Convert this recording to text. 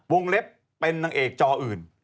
เล็บเป็นนางเอกจออื่น